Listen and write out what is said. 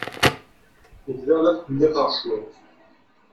Bdiɣ la tqelliqeɣ cwiṭ.